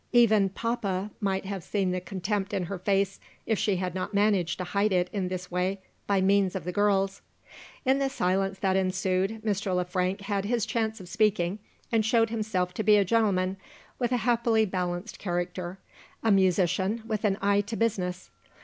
Even "Papa" might have seen the contempt in her face, if she had not managed to hide it in this way, by means of the girls. In the silence that ensued, Mr. Le Frank had his chance of speaking, and showed himself to be a gentleman with a happily balanced character a musician, with an eye to business.